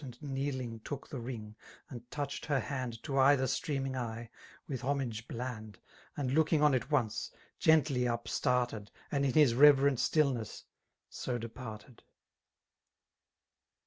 And kneeling took the rii^, and touched her haitd To either streaming eye, with homi^ hland, And looking on it once, gently up started, And, in his reiverent stUlaess, so departed.